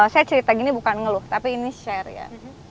saya cerita gini bukan ngeluh tapi ini share ya